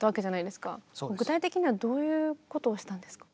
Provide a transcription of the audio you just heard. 具体的にはどういうことをしたんですか？